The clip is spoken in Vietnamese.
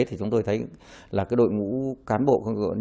thì chúng tôi thấy là cái đội ngũ cán bộ